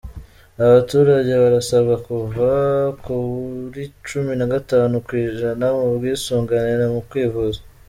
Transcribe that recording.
Abaturage barasabwa kuva kuri cumi nagatanu kw’ijana mu bwisungane mu kwivuza